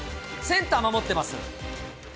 センター守ってます。